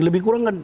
lebih kurang kan